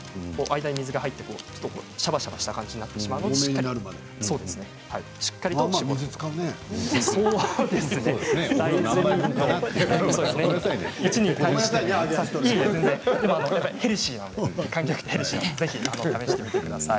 間に水が入ってシャバシャバした感じになってしまうのでしっかりと絞ってください。